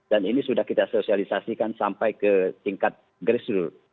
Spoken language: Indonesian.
dan ini sudah kita sosialisasikan sampai ke tingkat geris dulu